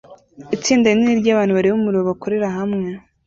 Itsinda rinini ryabantu bareba umuriro bakorera hamwe